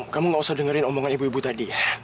kamu gak usah dengerin omongan ibu ibu tadi